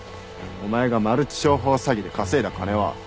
お前がマルチ商法詐欺で稼いだ金は。